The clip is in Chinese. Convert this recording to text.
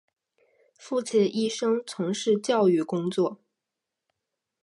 父亲一生从事教育工作。